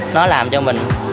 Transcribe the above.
nó làm cho mình